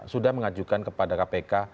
sudah mengajukan kepada kpk